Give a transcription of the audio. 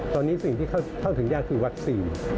ตอนนี้สิ่งที่เข้าถึงยากคือวัคซีน